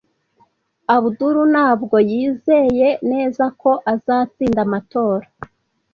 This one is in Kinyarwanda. Abudul ntabwo yizeye neza ko azatsinda amatora.